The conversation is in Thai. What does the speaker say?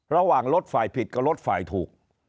ระหว่างรถฝ่ายผิดกับรถฝ่ายถูก